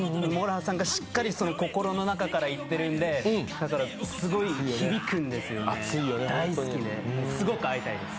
ＭＯＲＯＨＡさんがしっかり心の中から言ってるんですごい響くんですよね、大好きで、すごく会いたいです。